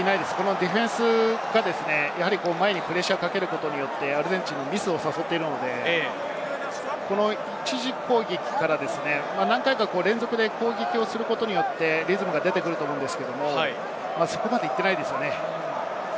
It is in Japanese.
ディフェンスが前にプレッシャーをかけることによって、アルゼンチンのミスを誘っているので、一時攻撃から何回か連続で攻撃することによってリズムが出てくると思うんですけれど、そこまでいっていないですよね。